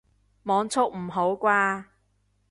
網速唔好啩